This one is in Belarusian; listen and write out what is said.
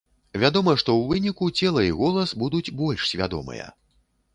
Вядома, што ў выніку цела і голас будуць больш свядомыя.